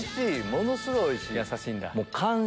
ものすごいおいしい。